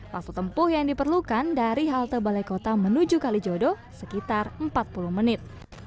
waktu tempuh yang diperlukan dari halte balai kota menuju kalijodo sekitar empat puluh menit